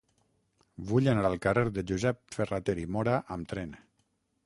Vull anar al carrer de Josep Ferrater i Móra amb tren.